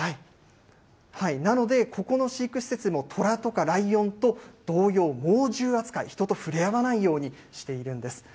なので、ここの飼育施設でもトラとかライオンと同様、猛獣扱い、人と触れ合わないようにしているんです。